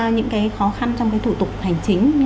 những cái khó khăn trong thủ tục hành chính